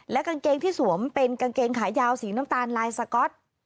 กางเกงที่สวมเป็นกางเกงขายาวสีน้ำตาลลายสก๊อต